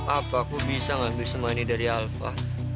apa aku bisa gak bisa mainin dari alva